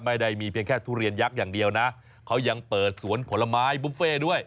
ไม่ได้มีเพียงแค่ทุเรียนยักษ์อย่างเดียวนะเขายังเปิดสวนผลไม้บุฟเฟ่ด้วย